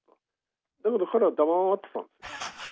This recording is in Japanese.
だけど彼は黙ってたんです。